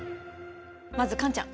まずカンちゃん。